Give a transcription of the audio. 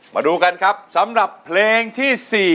มาดูกันครับสำหรับเพลงที่๔